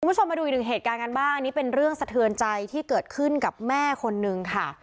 คุณผู้ชมมาดูอีกหนึ่งเหตุการณ์กันบ้างอันนี้เป็นเรื่องสะเทือนใจที่เกิดขึ้นกับแม่คนนึงค่ะ